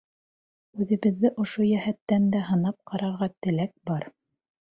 Үҙебеҙҙе ошо йәһәттән дә һынап ҡарарға теләк бар.